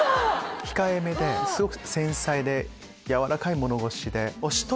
⁉控えめですごく繊細で柔らかい物腰で。